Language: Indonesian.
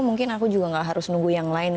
mungkin aku juga tidak harus menunggu yang lain